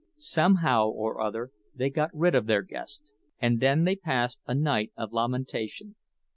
Somehow or other they got rid of their guest, and then they passed a night of lamentation.